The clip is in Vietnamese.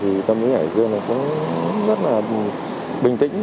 thì tâm lý hải dương cũng rất là bình tĩnh